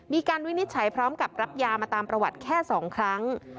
วินิจฉัยพร้อมกับรับยามาตามประวัติแค่๒ครั้ง